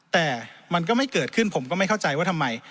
แต่มันก็ไม่เกิดขึ้นผมก็ไม่เข้าใจว่าทำไม